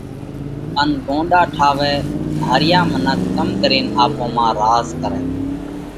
ان ڳونڏا ٺاوئه؟ ڌاريا منک ڪم ڪرينَ آپون مانه راز ڪرئه؟